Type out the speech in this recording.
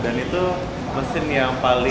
dan itu mesin yang paling